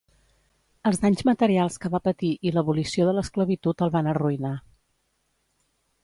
Els danys materials que va patir i l'abolició de l'esclavitud el van arruïnar.